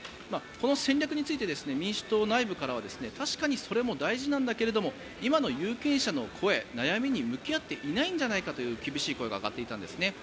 この戦略について民主党内部からは確かにそれも大事なんだけれども今の有権者の声悩みに向き合っていないんじゃないかという厳しい声が上がっていたんですね。